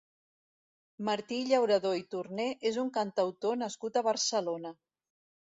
Martí Llauradó i Torné és un cantautor nascut a Barcelona.